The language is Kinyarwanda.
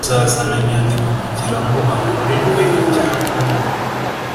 Uzazana nyandiko kugira ngo akorerwe icyangobwa